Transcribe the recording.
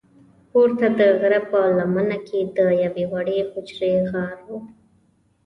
پورته د غره په لمنه کې د یوې وړې حجرې غار و.